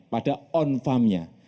pada on farm nya